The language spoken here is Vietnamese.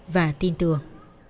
và tin tưởng